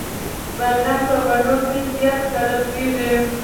بادرنګ په بڼو کې زیات کرل کېږي.